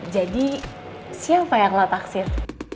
jadi siapa yang lo taksir